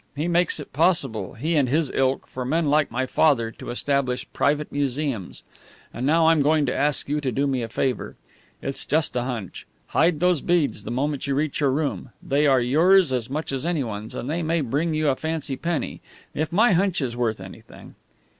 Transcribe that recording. He makes it possible he and his ilk for men like my father to establish private museums. And now I'm going to ask you to do me a favour. It's just a hunch. Hide those beads the moment you reach your room. They are yours as much as any one's, and they may bring you a fancy penny if my hunch is worth anything.